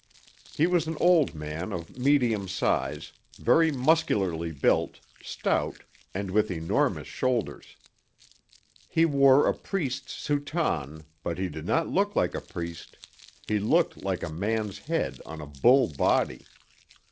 He was an old man of medium size, very muscularly built, stout, and with enormous shoulders. He wore a priest's soutane, but he did not look like a priest he looked like a man's head on a bull body.